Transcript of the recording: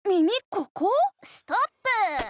ここ⁉ストップー！